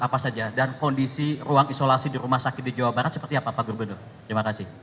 apa saja dan kondisi ruang isolasi di rumah sakit di jawa barat seperti apa pak gubernur terima kasih